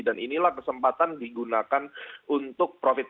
dan inilah kesempatan digunakan untuk profesiologi